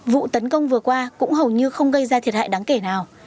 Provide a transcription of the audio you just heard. vụ tấn công vừa qua cũng hầu như không gây ra thiệt hại đáng kể nào